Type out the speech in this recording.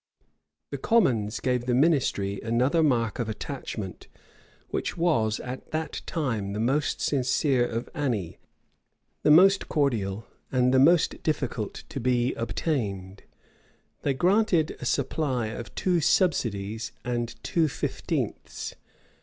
The commons gave the ministry another mark of attachment, which was at that time the most sincere of any, the most cordial, and the most difficult to be obtained: they granted a supply of two subsidies and two fifteenths.